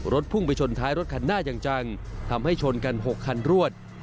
พุ่งไปชนท้ายรถคันหน้าอย่างจังทำให้ชนกัน๖คันรวด